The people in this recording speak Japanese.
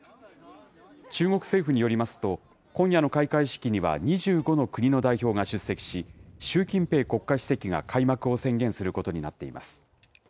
中国政府によりますと、今夜の開会式には２５の国の代表が出席し、習近平国家主席が開幕を宣言することになっています。